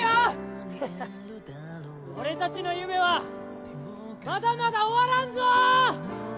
ハハッ俺たちの夢はまだまだ終わらんぞ！